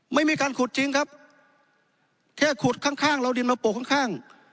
ไม่มีการขุดจริงครับแค่ขุดข้างข้างเราดินมาโปะข้างข้าง